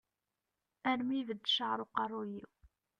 Armi ibedd ccεer uqerru-iw.